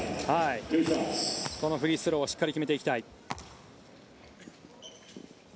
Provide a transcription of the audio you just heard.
このフリースローしっかり決めていきたい。